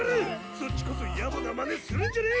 そっちこそ野暮なまねするんじゃねえ！